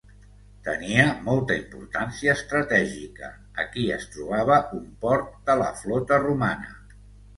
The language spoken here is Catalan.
Tenia molta importància estratègica; aquí es trobava un port de la flota romana.